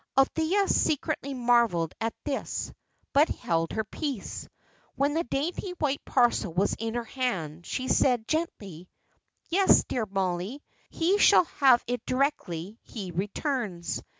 Althea secretly marvelled at this, but held her peace. When the dainty white parcel was in her hand, she said, gently, "Yes, dear Mollie, he shall have it directly he returns.